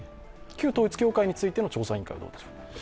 旧統一教会についての調査委員会はどうでしょう。